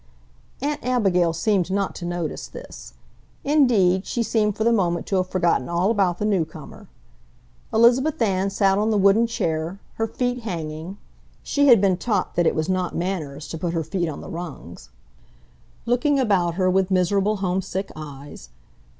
Aunt Abigail seemed not to notice this. Indeed, she seemed for the moment to have forgotten all about the newcomer. Elizabeth Ann sat on the wooden chair, her feet hanging (she had been taught that it was not manners to put her feet on the rungs), looking about her with miserable, homesick eyes.